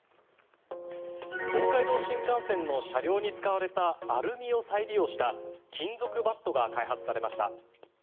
東海道新幹線の車両に使われたアルミを再利用した金属バットが開発されました。